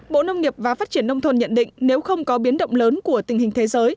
bộ nông nghiệp và phát triển nông thôn nhận định nếu không có biến động lớn của tình hình thế giới